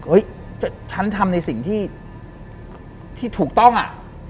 ฉันทำในสิ่งที่ถูกต้องอ่ะ